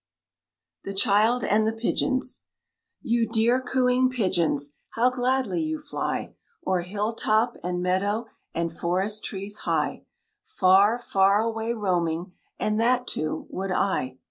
THE CHILD AND THE PIGEONS You dear cooing pigeons, How gladly you fly O'er hilltop and meadow And forest trees high, Far, far away roaming; And that too, would I!